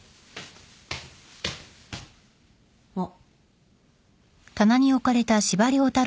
あっ。